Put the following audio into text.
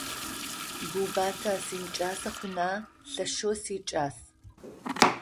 Гуубатэ симыкӀасэ хъуна! Лъэшэу сикӀас.